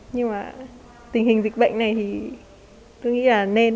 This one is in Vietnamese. nhưng mà tình hình dịch bệnh này thì tôi nghĩ là nên